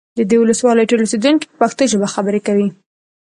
د دې ولسوالۍ ټول اوسیدونکي په پښتو ژبه خبرې کوي